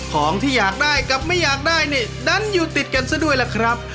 ของที่อยากได้กับไม่อยากได้นี่ดันอยู่ติดกันซะด้วยล่ะครับ